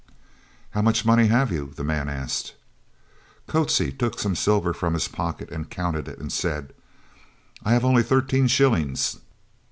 "How much money have you?" the man asked. Coetzee took some silver from his pocket, counted it and said: "I have only thirteen shillings."